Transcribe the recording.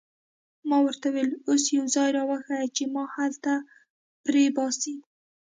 ما ورته وویل: اوس یو ځای را وښیه چې ما هلته پرېباسي.